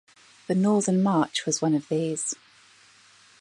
The Northern March was one of these.